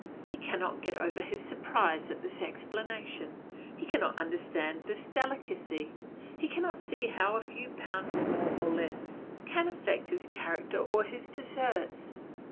He cannot get over his surprise at this explanation. He cannot understand this delicacy; he cannot see how a few pounds more or less can affect his character or his deserts.